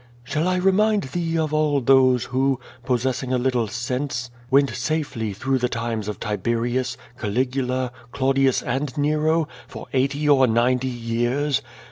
"Shall I remind thee of all those, who, possessing a little sense, went safely through the times of Tiberius, Caligula, Claudius and Nero, for eighty or ninety years?